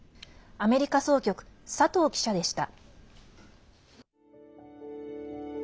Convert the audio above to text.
アメリカ総局、佐藤記者でした。